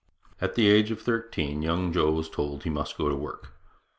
At the age of thirteen young Joe was told that he must go to work.